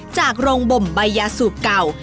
จากโรงบ่มใบยาสูบเก่า